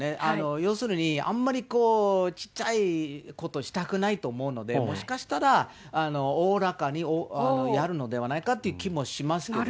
要するに、あんまりちっちゃいことしたくないと思うんで、もしかしたら、おおらかにやるのではないかという気がしますけどね。